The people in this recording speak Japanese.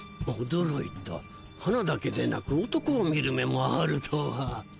驚いた花だけでなく男を見る目もあるとは。